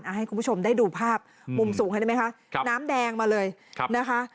เอาให้คุณผู้ชมได้ดูภาพมุมสูงเห็นไหมคะน้ำแดงมาเลยนะคะ